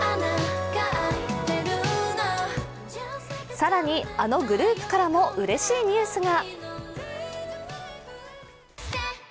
更に、あのグループからもうれしいニュースが。